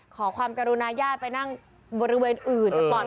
ขอความกรุณาย้ายไปนั่งบริเวณอื่น